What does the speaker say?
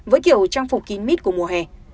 với kiểu trang phục kín mít của mùa hè